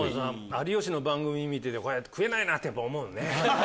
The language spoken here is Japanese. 有吉の番組見てて食えないな！って思うね。